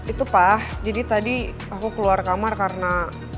itu pah jadi tadi aku keluar kamar karena